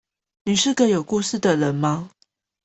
你是個有故事的人嗎